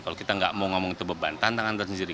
kalau kita nggak mau ngomong itu beban tantangan tersendiri